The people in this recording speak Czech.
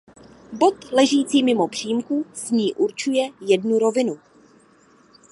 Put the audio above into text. Bod ležící mimo přímku s ní určuje jednu rovinu.